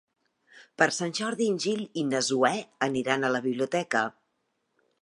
Per Sant Jordi en Gil i na Zoè aniran a la biblioteca.